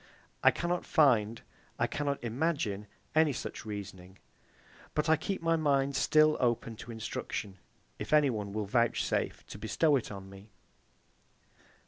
I cannot find, I cannot imagine any such reasoning. But I keep my mind still open to instruction, if any one will vouchsafe to bestow it on me.